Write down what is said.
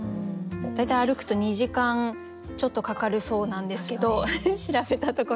大体歩くと２時間ちょっとかかるそうなんですけど調べたところ。